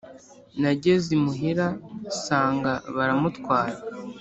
Nageze imuhira sanga baramutwaye